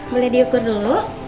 boleh diukur dulu